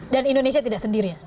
dan indonesia tidak sendirian